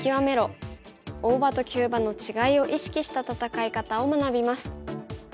大場と急場の違いを意識した戦い方を学びます。